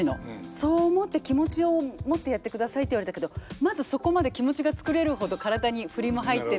そう思って気持ちを持ってやってくださいって言われたけどまだそこまで気持ちが作れるほど体に振りも入ってないんで。